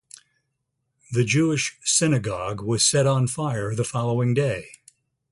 The Jewish synagogue was set on fire the following day.